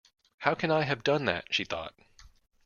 ‘How can I have done that?’ she thought.